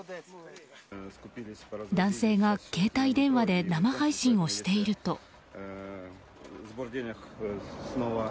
男性が携帯電話で生配信をしていると。